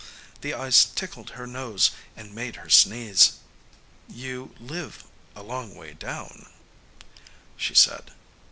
The ice tickled her nose and made her sneeze. "You live a long way down," she said.